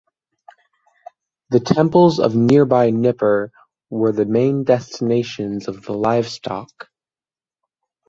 The temples of nearby Nippur were the main destinations of the livestock.